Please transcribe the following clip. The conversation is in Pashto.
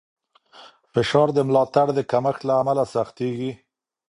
فشار د ملاتړ د کمښت له امله سختېږي.